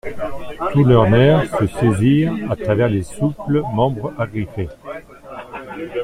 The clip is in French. Tous leurs nerfs se saisirent à travers les souples membres agriffés.